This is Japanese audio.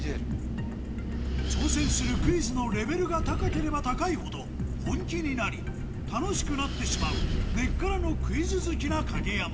挑戦するクイズのレベルが高ければ高いほど本気になり楽しくなってしまう根っからのクイズ好きな影山